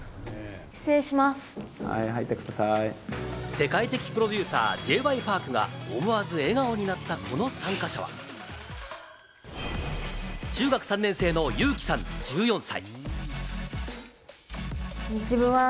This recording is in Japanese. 世界的プロデューサー・Ｊ．Ｙ．Ｐａｒｋが思わず笑顔になった、この参加者は、中学３年生の裕貴さん、１４歳。